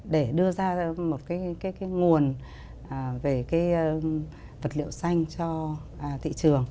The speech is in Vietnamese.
để đưa ra một nguồn về cái vật liệu xanh cho thị trường